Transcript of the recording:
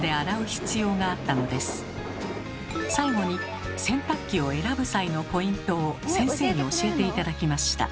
最後に洗濯機を選ぶ際のポイントを先生に教えて頂きました。